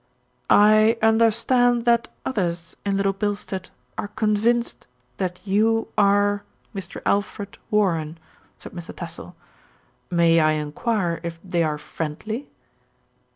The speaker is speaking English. "I understand that others in Little Bilstead are con vinced that you are Mr. Alfred Warren?" said Mr. Tassell. "May I enquire if they are friendly?"